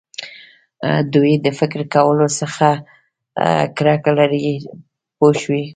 دوی د فکر کولو څخه کرکه لري پوه شوې!.